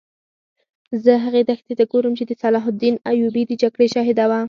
زه هغې دښتې ته ګورم چې د صلاح الدین ایوبي د جګړې شاهده وه.